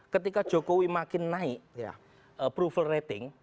ketika jokowi makin naik approval rating